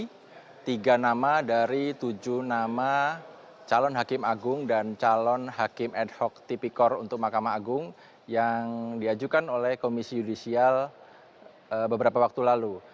ini tiga nama dari tujuh nama calon hakim agung dan calon hakim ad hoc tipikor untuk mahkamah agung yang diajukan oleh komisi yudisial beberapa waktu lalu